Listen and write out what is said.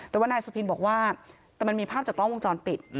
แต่ว่านายสุพินบอกว่าแต่มันมีภาพจากกล้องวงจรปิด